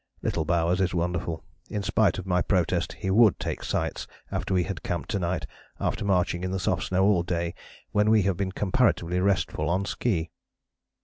Little Bowers is wonderful; in spite of my protest he would take sights after we had camped to night, after marching in the soft snow all day when we have been comparatively restful on ski."